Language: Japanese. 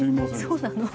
そうなの？